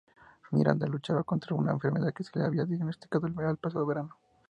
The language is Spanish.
Miranda luchaba contra una enfermedad que se le había diagnosticado el pasado verano.